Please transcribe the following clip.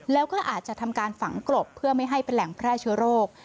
แล้วก็อาจจะทำการฝังกลบเพื่อไม่ให้เป็นแหล่งแพร่เชื้อโรค